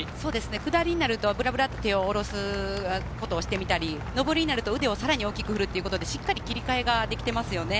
下りになるとブラブラと手を下ろすことをしてみたり、上りになるとさらに腕を大きく振る、しっかり切り替えができていますよね。